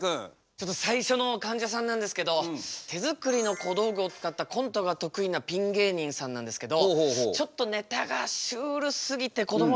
ちょっと最初のかんじゃさんなんですけど手作りの小道具を使ったコントが得意なピン芸人さんなんですけどちょっとネタがシュールすぎてこども